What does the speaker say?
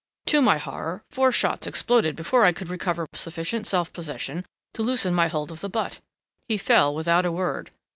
"To my horror four shots exploded before I could recover sufficient self possession to loosen my hold of the butt. He fell without a word.